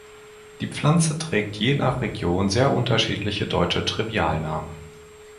Die Pflanze trägt je nach Region sehr unterschiedliche deutsche Trivialnamen.